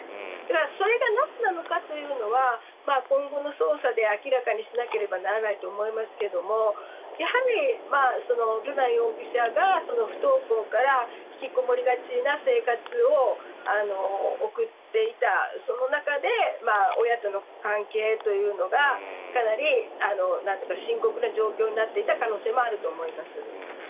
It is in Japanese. それがなぜなのかというのは今後の捜査で明らかにしなければならないと思いますが瑠奈容疑者が不登校から引きこもりがちな生活を送っていたその中で親との関係というのがかなり深刻な状況になっていった可能性もあると思います。